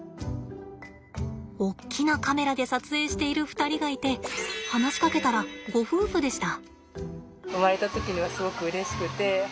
大きなカメラで撮影している２人がいて話しかけたらご夫婦でした。